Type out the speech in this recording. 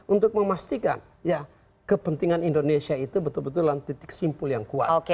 untuk memastikan ya kepentingan indonesia itu betul betul dalam titik simpul yang kuat